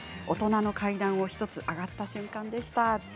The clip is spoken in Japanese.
大人の階段を１つ上がった瞬間でした。